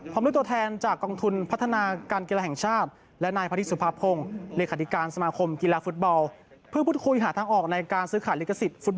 พร้อมด้วยตัวแทนจากกองทุนพัฒนาการกีฬาแห่งชาติและนายพระธิสุภาพงศ์